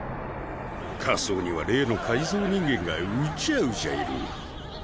下層には例の改造人間がうじゃうじゃいる。